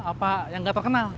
apa yang gak terkenal